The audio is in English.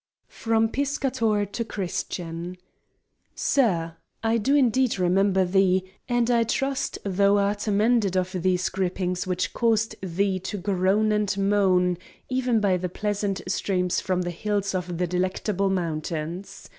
From Piscator to Christian. SIR,—I do indeed remember thee; and I trust thou art amended of these gripings which caused thee to groan and moan, even by the pleasant streams from the hills of the Delectable Mountains.